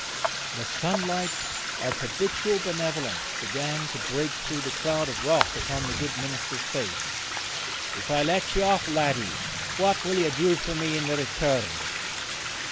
The sunlight of habitual benevolence began to break through the cloud of wrath upon the good minister's face. 'If I let you off, laddie, what will you do for me in return?'